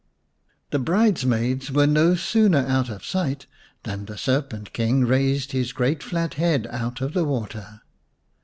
The bridesmaids were no sooner out of sight than the Serpent King raised his great flat head out of the water.